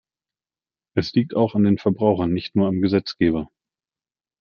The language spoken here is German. Es liegt auch an den Verbrauchern, nicht nur am Gesetzgeber.